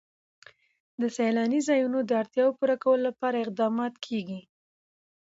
د سیلاني ځایونو د اړتیاوو پوره کولو لپاره اقدامات کېږي.